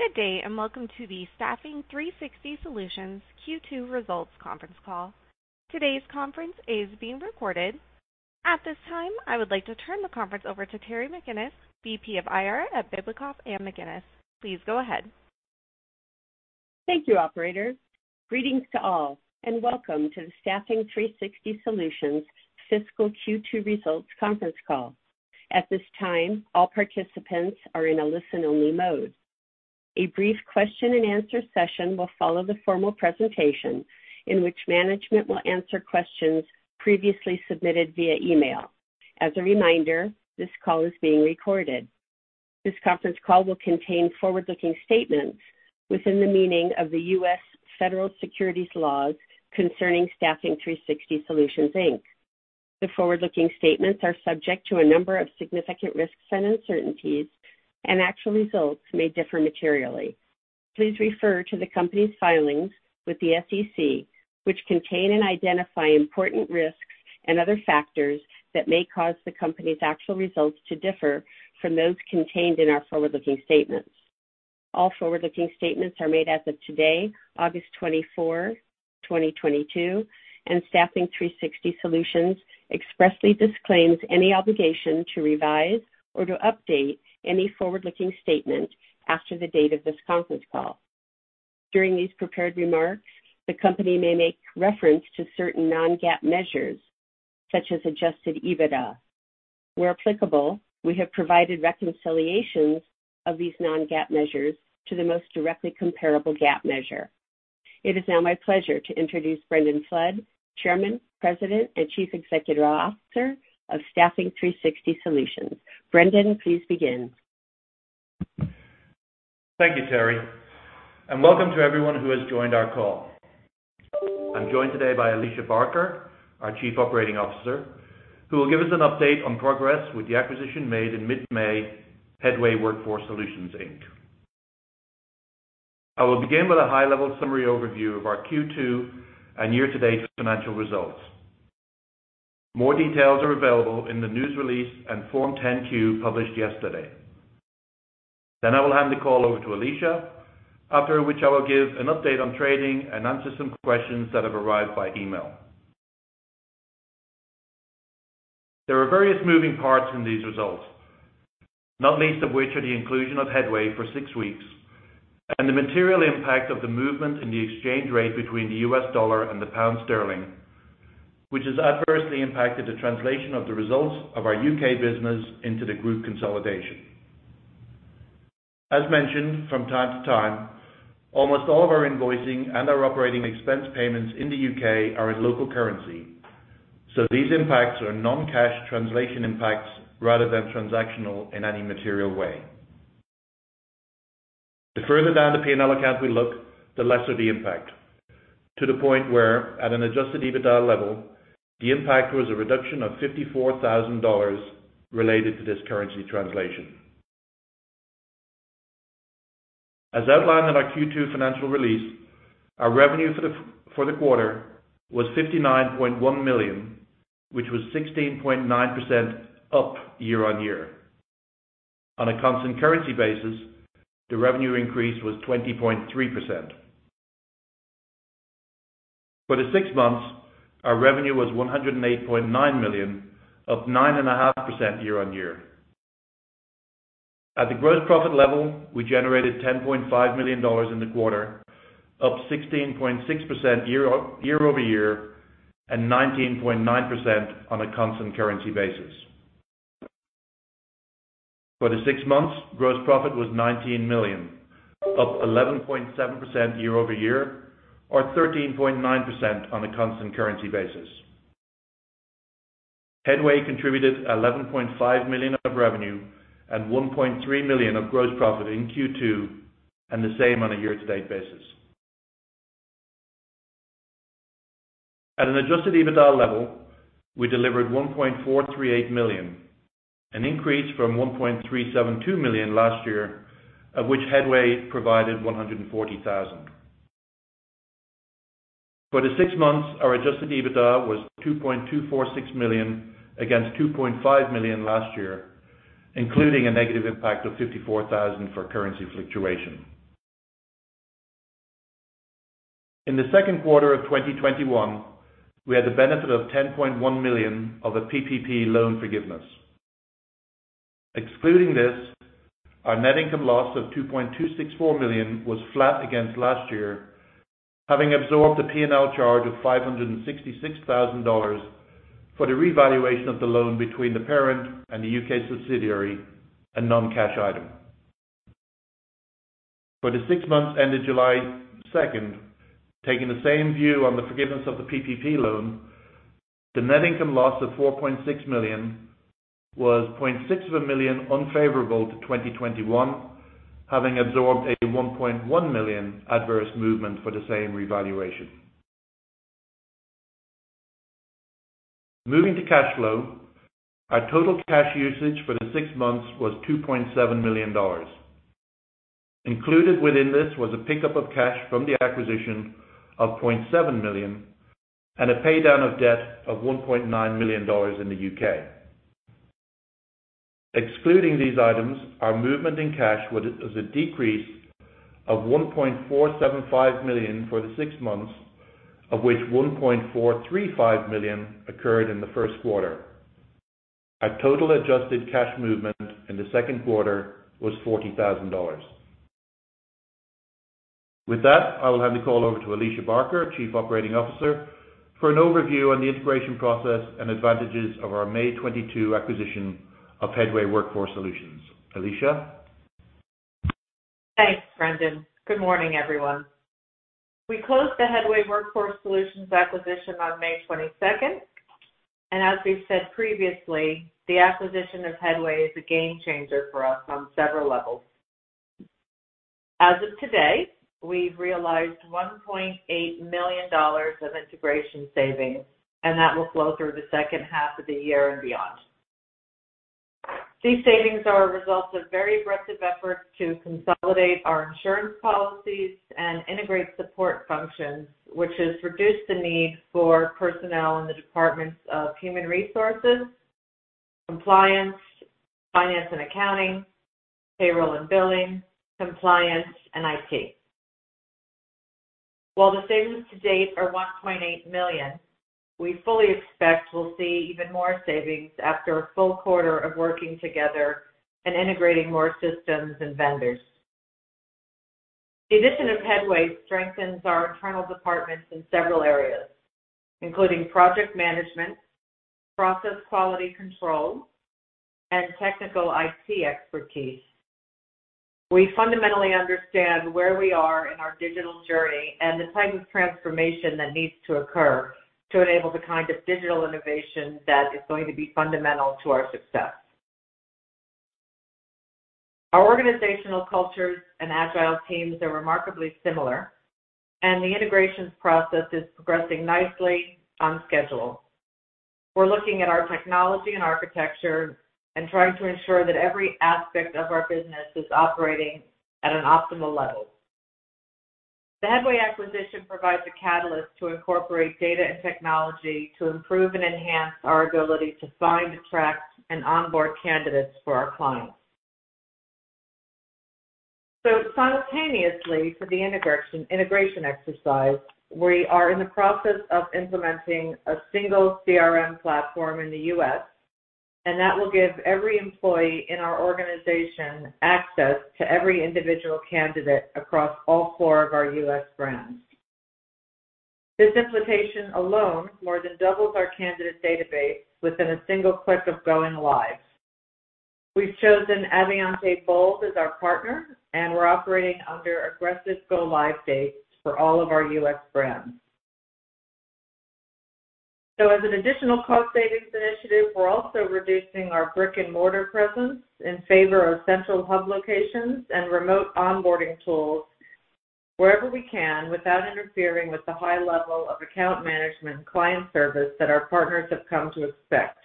Good day, and welcome to the Staffing 360 Solutions Q2 Results Conference Call. Today's conference is being recorded. At this time, I would like to turn the conference over to Terri MacInnis, VP of IR at Bibicoff + MacInnis. Please go ahead. Thank you, operator. Greetings to all, and welcome to the Staffing 360 Solutions Fiscal Q2 Results Conf`erence Call. At this time, all participants are in a listen-only mode. A brief question and answer session will follow the formal presentation in which management will answer questions previously submitted via email. As a reminder, this call is being recorded. This conference call will contain forward-looking statements within the meaning of the U.S. Federal Securities laws concerning Staffing 360 Solutions, Inc. The forward-looking statements are subject to a number of significant risks and uncertainties, and actual results may differ materially. Please refer to the company's filings with the SEC, which contain and identify important risks and other factors that may cause the company's actual results to differ from those contained in our forward-looking statements. All forward-looking statements are made as of today, August 24th, 2022, and Staffing 360 Solutions expressly disclaims any obligation to revise or to update any forward-looking statement after the date of this conference call. During these prepared remarks, the company may make reference to certain Non-GAAP measures, such as adjusted EBITDA. Where applicable, we have provided reconciliations of these Non-GAAP measures to the most directly comparable GAAP measure. It is now my pleasure to introduce Brendan Flood, Chairman, President, and Chief Executive Officer of Staffing 360 Solutions. Brendan, please begin. Thank you, Terri, and welcome to everyone who has joined our call. I'm joined today by Alicia Barker, our Chief Operating Officer, who will give us an update on progress with the acquisition made in mid-May, Headway Workforce Solutions, Inc. I will begin with a high-level summary overview of our Q2 and year-to-date financial results. More details are available in the news release and Form 10-Q published yesterday. I will hand the call over to Alicia, after which I will give an update on trading and answer some questions that have arrived by email. There are various moving parts in these results, not least of which are the inclusion of Headway for six weeks and the material impact of the movement in the exchange rate between the U.S dollar and the pound sterling, which has adversely impacted the translation of the results of our U.K business into the group consolidation. As mentioned from time to time, almost all of our invoicing and our operating expense payments in the U.K are in local currency, so these impacts are non-cash translation impacts rather than transactional in any material way. The further down the P&L account we look, the lesser the impact to the point where at an adjusted EBITDA level, the impact was a reduction of $54,000 related to this currency translation. As outlined in our Q2 financial release, our revenue for the quarter was $59.1 million, which was 16.9% up year-over-year. On a constant currency basis, the revenue increase was 20.3%. For the six months, our revenue was $108.9 million, up 9.5% year-over-year. At the gross profit level, we generated $10.5 million in the quarter, up 16.6% year-over-year and 19.9% on a constant currency basis. For the six months, gross profit was $19 million, up 11.7% year-over-year or 13.9% on a constant currency basis. Headway contributed $11.5 million of revenue and $1.3 million of gross profit in Q2 and the same on a year-to-date basis. At an adjusted EBITDA level, we delivered $1.438 million, an increase from $1.372 million last year, of which Headway provided $140 thousand. For the six months, our adjusted EBITDA was $2.246 million against $2.5 million last year, including a negative impact of -$54 thousand for currency fluctuation. In the second quarter of 2021, we had the benefit of $10.1 million of a PPP loan forgiveness. Excluding this, our net income loss of $2.264 million was flat against last year, having absorbed a P&L charge of $566 thousand for the revaluation of the loan between the parent and the UK subsidiary, a non-cash item. For the six months ended July 2, taking the same view on the forgiveness of the PPP loan, the net income loss of $4.6 million was $0.6 million unfavorable to 2021, having absorbed a $1.1 million adverse movement for the same revaluation. Moving to cash flow, our total cash usage for the six months was $2.7 million. Included within this was a pickup of cash from the acquisition of $0.7 million. A pay down of debt of $1.9 million in the UK. Excluding these items, our movement in cash was a decrease of $1.475 million for the six months, of which $1.435 million occurred in the first quarter. Our total adjusted cash movement in the second quarter was $40,000. With that, I will hand the call over to Alicia Barker, Chief Operating Officer, for an overview on the integration process and advantages of our May 2022 acquisition of Headway Workforce Solutions. Alicia? Thanks, Brendan. Good morning, everyone. We closed the Headway Workforce Solutions acquisition on May 22nd. As we've said previously, the acquisition of Headway is a game changer for us on several levels. As of today, we've realized $1.8 million of integration savings, and that will flow through the second half of the year and beyond. These savings are a result of very aggressive efforts to consolidate our insurance policies and integrate support functions, which has reduced the need for personnel in the departments of human resources, compliance, finance and accounting, payroll and billing, compliance, and IT. While the savings to date are $1.8 million, we fully expect we'll see even more savings after a full quarter of working together and integrating more systems and vendors. The addition of Headway strengthens our internal departments in several areas, including project management, process quality control, and technical IT expertise. We fundamentally understand where we are in our digital journey and the type of transformation that needs to occur to enable the kind of digital innovation that is going to be fundamental to our success. Our organizational cultures and agile teams are remarkably similar and the integrations process is progressing nicely on schedule. We're looking at our technology and architecture and trying to ensure that every aspect of our business is operating at an optimal level. The Headway acquisition provides a catalyst to incorporate data and technology to improve and enhance our ability to find, attract, and onboard candidates for our clients. Simultaneously for the integration exercise, we are in the process of implementing a single CRM platform in the U.S., and that will give every employee in our organization access to every individual candidate across all four of our U.S. brands. This implementation alone more than doubles our candidate database within a single click of going live. We've chosen Avionté BOLD as our partner, and we're operating under aggressive go-live dates for all of our U.S. brands. As an additional cost savings initiative, we're also reducing our brick-and-mortar presence in favor of central hub locations and remote onboarding tools wherever we can without interfering with the high level of account management and client service that our partners have come to expect.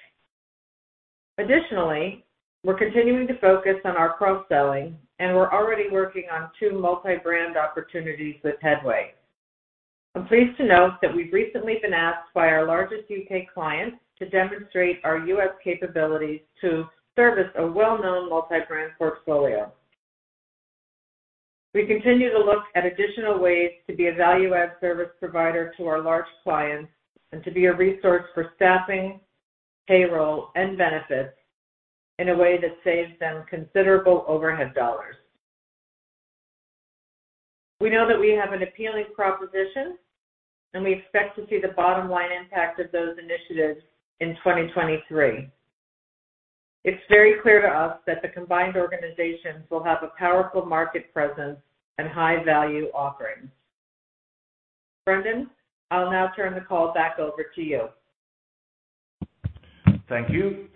Additionally, we're continuing to focus on our cross-selling, and we're already working on two multi-brand opportunities with Headway. I'm pleased to note that we've recently been asked by our largest U.K. clients to demonstrate our U.S. capabilities to service a well-known multi-brand portfolio. We continue to look at additional ways to be a value-add service provider to our large clients and to be a resource for staffing, payroll, and benefits in a way that saves them considerable overhead dollars. We know that we have an appealing proposition, and we expect to see the bottom line impact of those initiatives in 2023. It's very clear to us that the combined organizations will have a powerful market presence and high-value offerings. Brendan, I'll now turn the call back over to you. Thank you.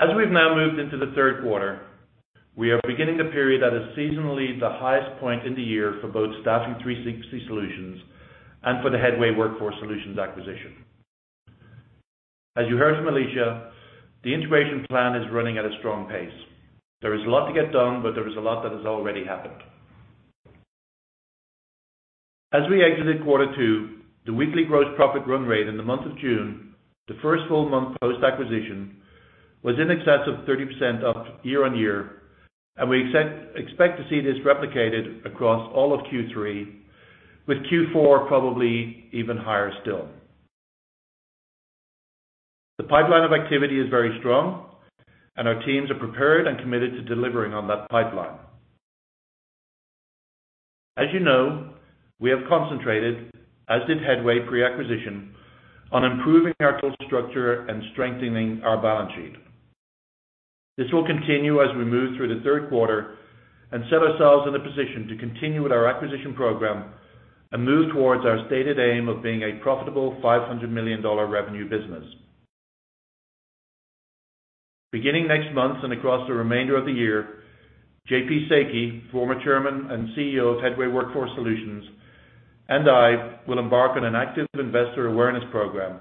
As we've now moved into the third quarter, we are beginning the period that is seasonally the highest point in the year for both Staffing 360 Solutions, Inc. and for the Headway Workforce Solutions acquisition. As you heard from Alicia, the integration plan is running at a strong pace. There is a lot to get done, but there is a lot that has already happened. As we exited quarter two, the weekly gross profit run rate in the month of June, the first full month post-acquisition, was in excess of 30% up year-on-year, and we expect to see this replicated across all of Q3, with Q4 probably even higher still. The pipeline of activity is very strong and our teams are prepared and committed to delivering on that pipeline. As you know, we have concentrated, as did Headway pre-acquisition, on improving our total structure and strengthening our balance sheet. This will continue as we move through the third quarter and set ourselves in a position to continue with our acquisition program and move towards our stated aim of being a profitable $500 million revenue business. Beginning next month and across the remainder of the year, J.P. Seki, .Chairman and CEO of Headway Workforce Solutions, and I will embark on an active investor awareness program.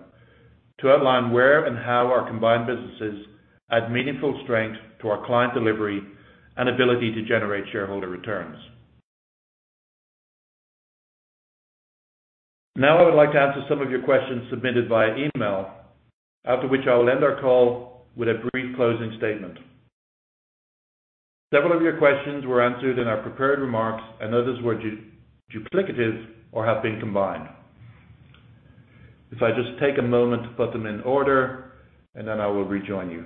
To outline where and how our combined businesses add meaningful strength to our client delivery and ability to generate shareholder returns. Now I would like to answer some of your questions submitted via email. After which I will end our call with a brief closing statement. Several of your questions were answered in our prepared remarks, and others were duplicative or have been combined. If I just take a moment to put them in order, and then I will rejoin you.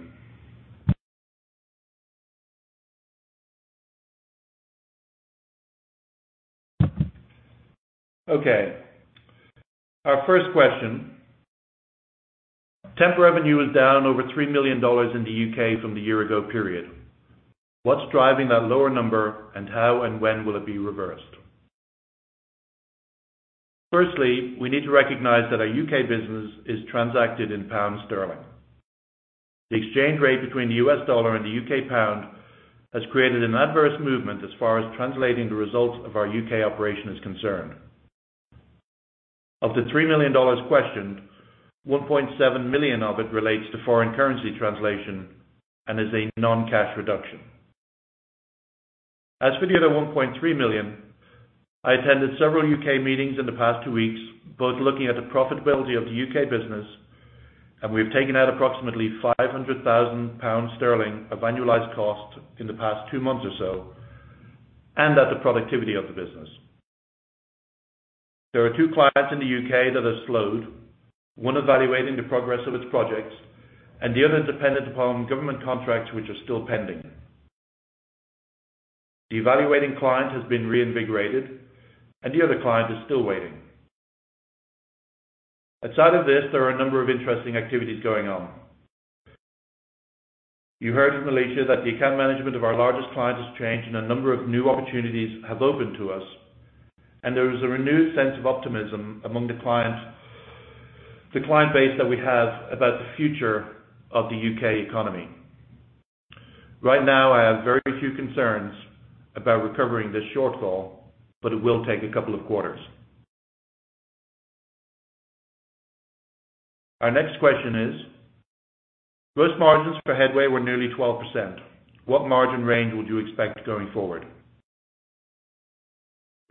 Okay, our first question. Temp revenue is down over $3 million in the U.K. from the year ago period. What's driving that lower number and how and when will it be reversed? Firstly, we need to recognize that our U.K. business is transacted in pound sterling. The exchange rate between the U.S. dollar and the U.K. pound has created an adverse movement as far as translating the results of our U.K. operation is concerned. Of the $3 million questioned, $1.7 million of it relates to foreign currency translation and is a non-cash reduction. As for the other $1.3 million, I attended several U.K. meetings in the past two weeks, both looking at the profitability of the U.K. business, and we have taken out approximately 500,000 pounds of annualized cost in the past two months or so, and at the productivity of the business. There are two clients in the U.K. that have slowed. One evaluating the progress of its projects and the other dependent upon government contracts, which are still pending. The evaluating client has been reinvigorated and the other client is still waiting. Outside of this, there are a number of interesting activities going on. You heard from Alicia that the account management of our largest client has changed and a number of new opportunities have opened to us, and there is a renewed sense of optimism among the client. The client base that we have about the future of the U.K. economy. Right now, I have very few concerns about recovering this shortfall, but it will take a couple of quarters. Our next question is, gross margins for Headway were nearly 12%. What margin range would you expect going forward?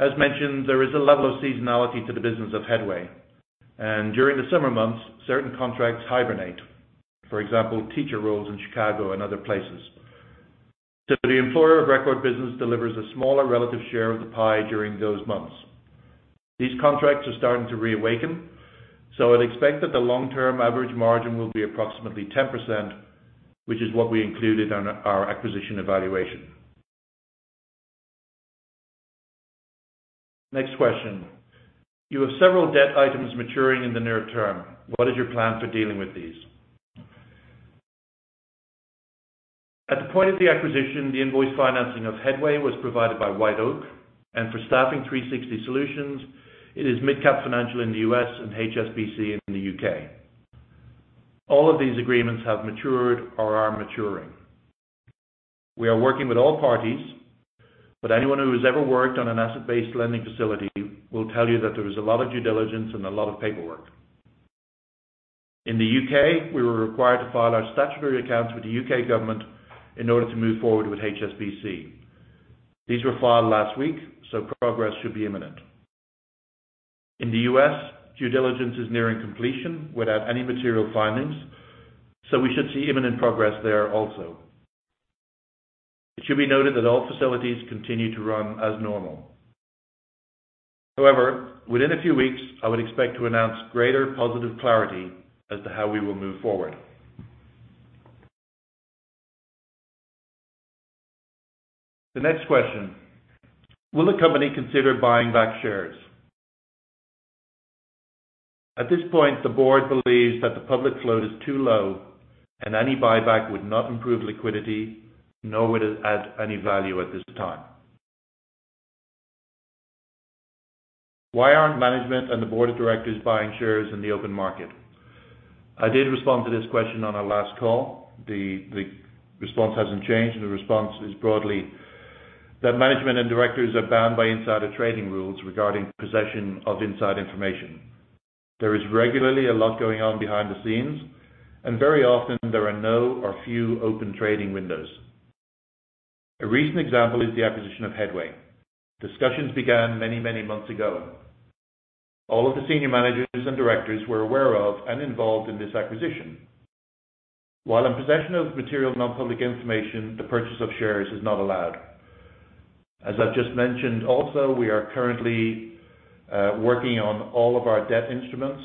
As mentioned, there is a level of seasonality to the business of Headway, and during the summer months certain contracts hibernate. For example, teacher roles in Chicago and other places. The Employer of Record business delivers a smaller relative share of the pie during those months. These contracts are starting to reawaken, so I'd expect that the long-term average margin will be approximately 10%, which is what we included on our acquisition evaluation. Next question. You have several debt items maturing in the near term. What is your plan for dealing with these? At the point of the acquisition, the invoice financing of Headway was provided by White Oak. For Staffing 360 Solutions, Inc., it is MidCap Financial in the U.S. and HSBC in the U.K. All of these agreements have matured or are maturing. We are working with all parties, but anyone who has ever worked on an asset-based lending facility will tell you that there is a lot of due diligence and a lot of paperwork. In the U.K., we were required to file our statutory accounts with the U.K. government in order to move forward with HSBC. These were filed last week, so progress should be imminent. In the U.S., due diligence is nearing completion without any material findings, so we should see imminent progress there also. It should be noted that all facilities continue to run as normal. However, within a few weeks I would expect to announce greater positive clarity as to how we will move forward. The next question: Will the company consider buying back shares? At this point, the board believes that the public float is too low and any buyback would not improve liquidity, nor would it add any value at this time. Why aren't management and the board of directors buying shares in the open market? I did respond to this question on our last call. The response hasn't changed, and the response is broadly that management and directors are bound by insider trading rules regarding possession of inside information. There is regularly a lot going on behind the scenes and very often there are no or few open trading windows. A recent example is the acquisition of Headway. Discussions began many, many months ago. All of the senior managers and directors were aware of and involved in this acquisition. While in possession of material, non-public information, the purchase of shares is not allowed. As I've just mentioned also, we are currently working on all of our debt instruments,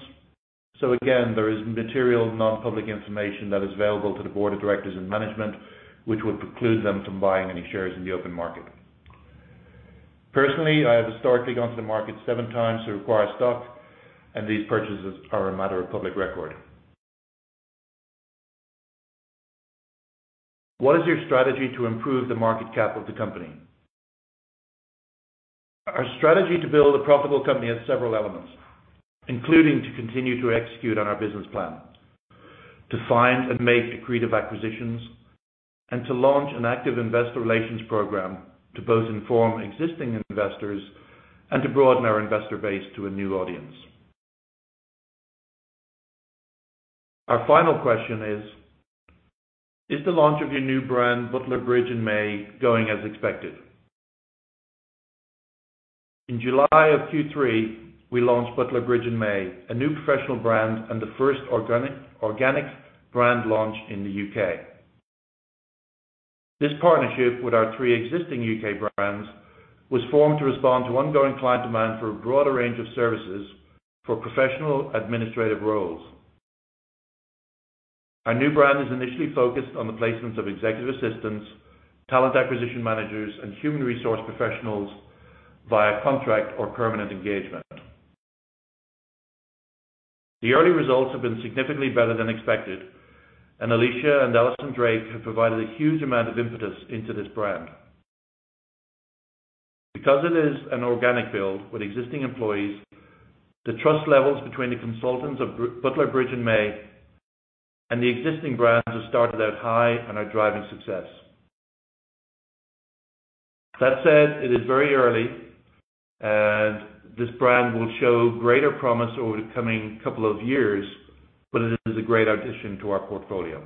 so again, there is material non-public information that is available to the board of directors and management, which would preclude them from buying any shares in the open market. Personally, I have historically gone to the market seven times to acquire stock, and these purchases are a matter of public record. What is your strategy to improve the market cap of the company? Our strategy to build a profitable company has several elements, including to continue to execute on our business plan. To find and make accretive acquisitions. To launch an active investor relations program to both inform existing investors and to broaden our investor base to a new audience. Our final question is, "Is the launch of your new brand, Butler, Bridge & May, going as expected?" In July of Q3, we launched Butler, Bridge & May, a new professional brand and the first organic brand launch in the U.K. This partnership with our three existing U.K. brands was formed to respond to ongoing client demand for a broader range of services for professional administrative roles. Our new brand is initially focused on the placements of executive assistants, talent acquisition managers, and human resource professionals via contract or permanent engagement. The early results have been significantly better than expected, and Alicia Barker and Alison Drake have provided a huge amount of impetus into this brand. Because it is an organic build with existing employees, the trust levels between the consultants of Butler, Bridge & May and the existing brands have started out high and are driving success. That said, it is very early and this brand will show greater promise over the coming couple of years, but it is a great addition to our portfolio.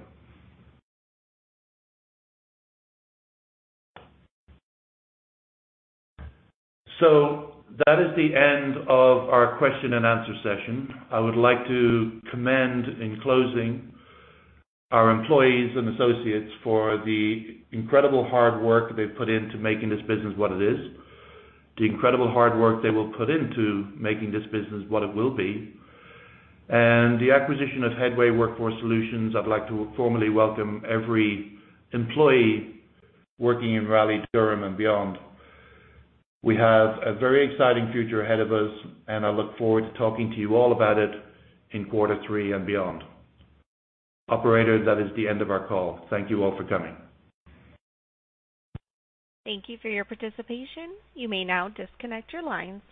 That is the end of our question and answer session. I would like to commend, in closing, our employees and associates for the incredible hard work they've put into making this business what it is, the incredible hard work they will put into making this business what it will be. The acquisition of Headway Workforce Solutions, I'd like to formally welcome every employee working in Raleigh, Durham, and beyond. We have a very exciting future ahead of us, and I look forward to talking to you all about it in quarter three and beyond. Operator, that is the end of our call. Thank you all for coming. Thank you for your participation. You may now disconnect your lines.